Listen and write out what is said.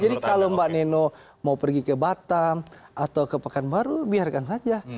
jadi kalau mbak neno mau pergi ke batam atau ke pekanbaru biarkan saja